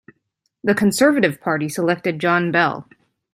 The Conservative Party selected John Bell.